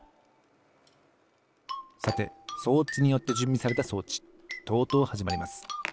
さて装置によってじゅんびされた装置とうとうはじまります。